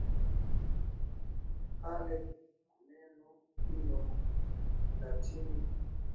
kale neno hilo kwa Kilatini reformatio lilihusu badiliko la hali mbaya